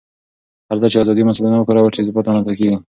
هرځل چې ازادي مسؤلانه وکارول شي، ثبات رامنځته کېږي.